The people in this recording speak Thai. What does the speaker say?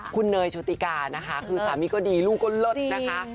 คุณเนยโชติกานะคะคือสามีก็ดีลูกก็เลิศนะคะ